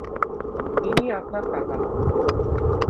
ইনি আপনার কাকা হন।